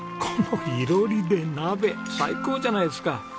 この囲炉裏で鍋最高じゃないですか！